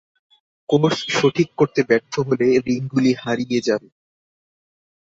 কোর্স-সঠিক করতে ব্যর্থ হলে রিংগুলি হারিয়ে যাবে।